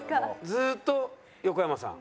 ずーっと横山さん？